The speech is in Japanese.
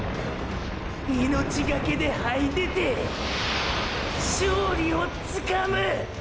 命がけで這い出て勝利をつかむ！！